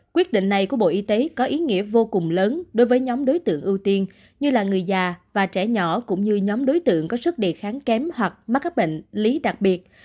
quyết định này của bộ y tế có ý nghĩa vô cùng lớn đối với nhóm đối tượng ưu tiên như là người già và trẻ nhỏ cũng như nhóm đối tượng có sức đề kháng kém hoặc mắc các bệnh lý đặc biệt